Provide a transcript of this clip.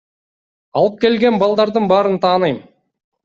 Алып келген балдардын баарын тааныйм.